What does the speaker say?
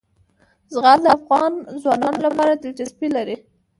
زغال د افغان ځوانانو لپاره دلچسپي لري.